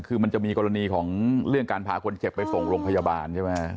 คือมันจะมีกรณีของเรื่องการพาคนเจ็บไปส่งโรงพยาบาลใช่ไหม